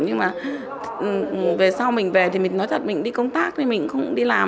nhưng mà về sao mình về thì nói thật mình đi công tác thì mình không đi làm